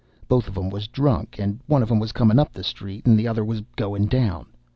Both of 'em was drunk, and one was a comin' up the street, and t'other was a goin' down.